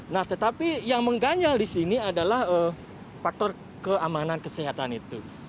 nah tetapi yang mengganjal di sini adalah faktor keamanan kesehatan itu